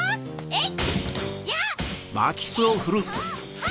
えっ！